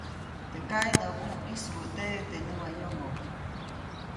Teʼ ŋgaʼe näbuʼuŋ -ʼĩsubäteʼe teʼ näwayomo-.